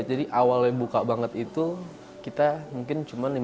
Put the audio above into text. jadi awalnya buka banget itu kita mungkin cuma lima puluh enam puluh